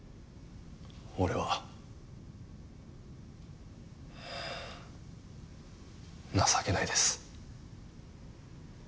俺は情けないです。